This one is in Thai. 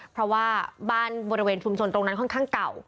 เพราะว่าบ้านบริเวณชุมชนตรงนั้นค่อนข้างเก่า